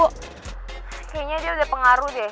kayaknya dia udah pengaruh deh